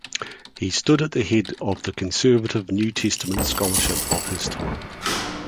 He stood at the head of the conservative New Testament scholarship of his time.